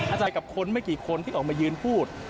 อาจารย์กับคนไม่กี่คนที่ออกมายืนพูด